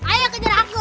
ayo kejar aku